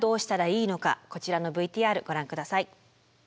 こちらのＶＴＲご覧ください。